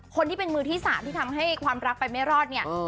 คนที่เป็นมือที่๓ที่ทำให้ความรักไปไม่รอดเนี่ย